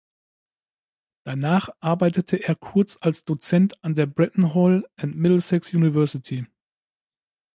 Danach arbeitete er kurz als Dozent an der "Bretton Hall and Middlesex University".